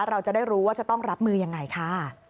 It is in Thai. เราจะได้รู้ว่าจะต้องรับมือยังไงค่ะ